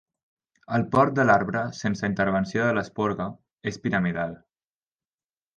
El port de l'arbre sense intervenció de l'esporga és piramidal.